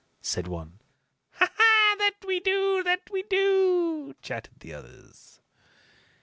said one. "Ha! ha! That we do, that we do!" chattered the others.